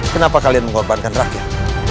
kenapa kalian mengorbankan rakyat